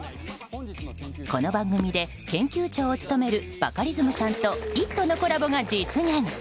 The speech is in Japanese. この番組で研究長を務めるバカリズムさんと「イット！」のコラボが実現。